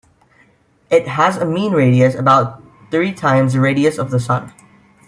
It has a mean radius about three times the radius of the Sun.